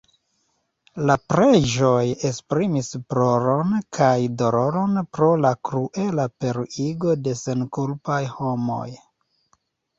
La preĝoj esprimis ploron kaj doloron pro la kruela pereigo de senkulpaj homoj.